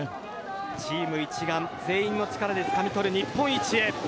チーム一丸全員の力でつかみ取る日本一へ。